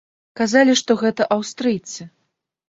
Казалі, што гэта аўстрыйцы.